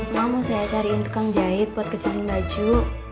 mau saya cariin tukang jahit buat kecilin baju